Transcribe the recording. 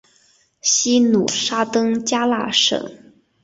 西努沙登加拉省。